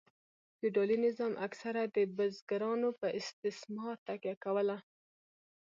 فیوډالي نظام اکثره د بزګرانو په استثمار تکیه کوله.